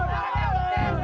tidak salah lagi